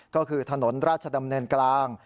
ก็คือถนนราชดำเนินกลาง